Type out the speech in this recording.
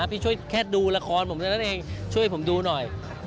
พี่ช่วยแค่ดูละครผมเท่านั้นเองช่วยผมดูหน่อย